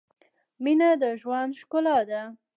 مینه د ژوند ښلا ده